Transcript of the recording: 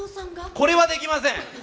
これはできません。